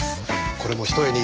これもひとえに